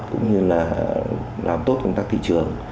cũng như là làm tốt công tác thị trường